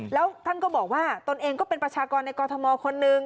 แล้วท่านก็บอกว่าตนเองก็เป็นประชากรในกรทมคนนึง